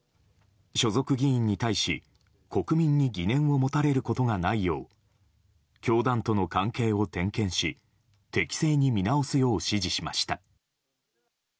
所属議員に対し国民に疑念を持たれることがないよう教団との関係を点検し適正に見直すよう指示しました。